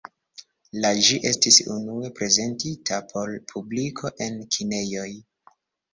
La ĝi estis unue prezentita por publiko en kinejoj.